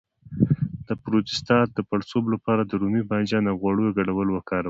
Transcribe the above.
د پروستات د پړسوب لپاره د رومي بانجان او غوړیو ګډول وکاروئ